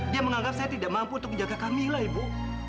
dia menganggap saya tidak mampu untuk menjaga kamila ibu